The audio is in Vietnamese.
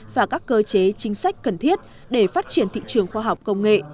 và các cơ chế chính sách cần thiết để phát triển thị trường khoa học công nghệ